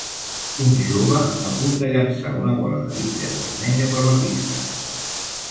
Un jove a punt de llançar una bola de bitlles vermella per la pista.